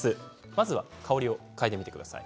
まずは香りを嗅いでみてください。